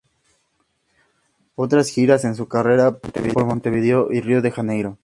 Otras giras en su carrera por Montevideo y Río de Janeiro.